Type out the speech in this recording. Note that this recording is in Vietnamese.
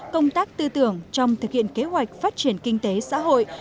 công tác tư tưởng trong thực hiện kế hoạch phát triển kinh tế xã hội